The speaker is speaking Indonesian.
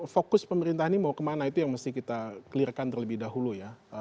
fokus pemerintah ini mau kemana itu yang mesti kita clear kan terlebih dahulu ya